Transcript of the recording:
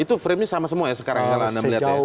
itu framenya sama semua ya sekarang kalau anda melihatnya